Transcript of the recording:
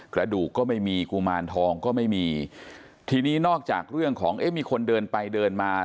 กระดูกก็ไม่มีกุมารทองก็ไม่มีทีนี้นอกจากเรื่องของเอ๊ะมีคนเดินไปเดินมา